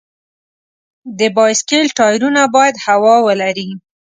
د بایسکل ټایرونه باید هوا ولري.